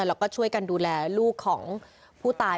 แล้วก็ช่วยกันดูแลลูกของผู้ตาย